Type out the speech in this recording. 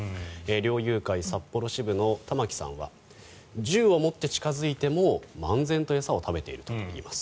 猟友会札幌支部の玉木さんは銃を持って近付いても、漫然と餌を食べているといいます。